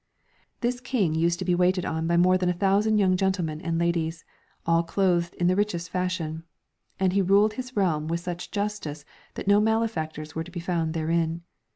This King used to be waited on by more than a thou sand y^oung gentlemen and ladies, all clothed in the richest fashion. And he ruled his realm with such justice that no malefactors were to be found therein.